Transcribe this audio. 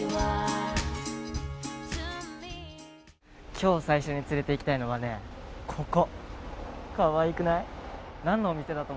今日最初に連れていきたいのはね、ここ。